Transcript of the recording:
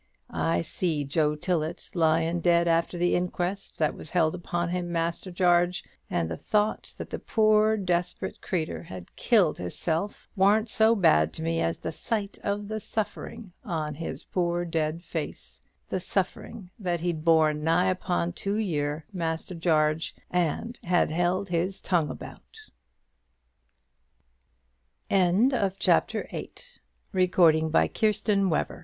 I see Joe Tillet lyin' dead after the inquest that was held upon him, Master Jarge; and the thought that the poor desperate creeter had killed hisself warn't so bad to me as the sight of the suffering on his poor dead face, the suffering that he'd borne nigh upon two year, Master Jarge, and had held his tongue about." CHAPTER IX. MISS SLEAFORD'S ENGAGEMENT. Isabel Sleaford was "engaged."